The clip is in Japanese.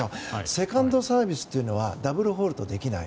セカンドサービスというのはダブルフォルトできない。